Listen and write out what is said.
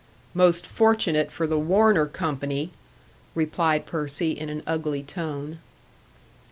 "Most fortunate for the Warner Company," replied Percy, in an ugly tone.